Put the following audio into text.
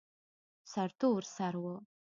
سرتور سر و.